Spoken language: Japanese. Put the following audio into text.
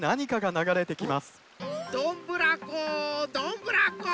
どんぶらこどんぶらこ。